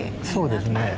そうですね。